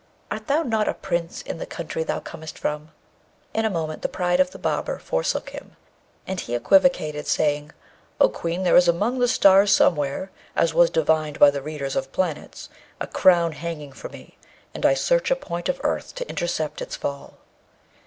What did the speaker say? art thou not a prince in the country thou comest from?' In a moment the pride of the barber forsook him, and he equivocated, saying, 'O Queen! there is among the stars somewhere, as was divined by the readers of planets, a crown hanging for me, and I search a point of earth to intercept its fall.'